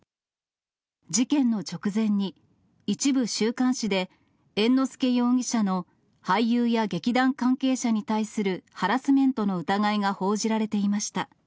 事件の直前に一部週刊誌で、猿之助容疑者の俳優や劇団関係者に対するハラスメントの疑いが報じられていました。